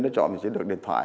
đối tượng sẽ được trả khéo